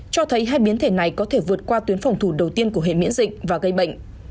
cho thấy hai biến thể này có thể vượt qua tuyến phòng thủ đầu tiên của hệ miễn dịch và gây bệnh